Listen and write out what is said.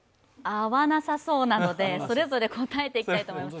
合わなさそうなので、それぞれ答えていきたいと思います。